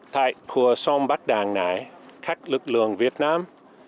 tại của sông bắc đang này các lực lượng việt nam